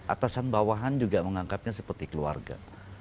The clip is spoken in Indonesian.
atasan bawahan juga mengangkatnya seperti keluarga